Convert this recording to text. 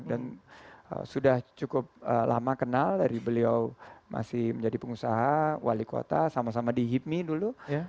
dan sudah cukup lama kenal dari beliau masih menjadi pengusaha wali kota sama sama di hipmi dulu